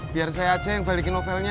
biar saya aja yang balikin novelnya